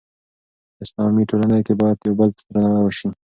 په اسلامي ټولنه کې باید یو بل ته درناوی وشي.